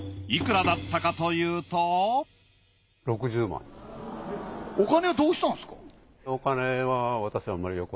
いくらだったかというとお金はどうしたんすか？